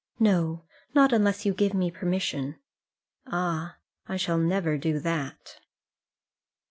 "No; not unless you give me permission." "Ah; I shall never do that."